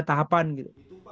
nah tahapan gitu